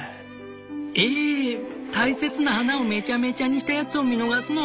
「ええ大切な花をめちゃめちゃにしたヤツを見逃すの？」。